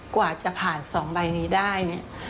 กว่าจะผ่านสองใบนี้ได้